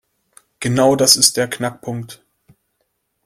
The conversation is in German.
Genau das ist der Knackpunkt.